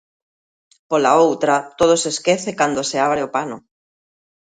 Pola outra, todo se esquece cando se abre o pano.